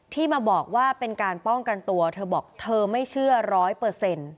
ที่มาบอกว่าเป็นการป้องกันตัวเธอบอกเธอไม่เชื่อร้อยเปอร์เซ็นต์